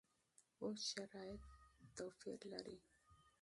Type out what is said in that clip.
اوس شرایط فرق لري.